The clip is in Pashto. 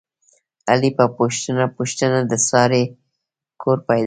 علي په پوښته پوښتنه د سارې کور پیدا کړ.